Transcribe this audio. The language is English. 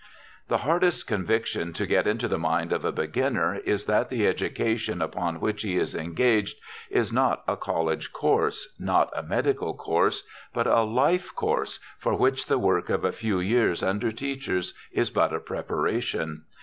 The hardest conviction to get into the mind of a beginner is that the education upon which he is engaged is not a college course, not a medical course, but a life course, for which the work of a few years under teachers is but a preparation.